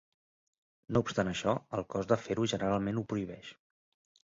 No obstant això, el cost de fer-ho generalment ho prohibeix.